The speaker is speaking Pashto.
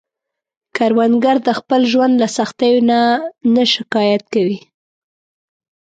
کروندګر د خپل ژوند له سختیو نه نه شکايت کوي